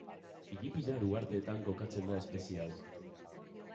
Filipinar uhartetan kokatzen da espezie hau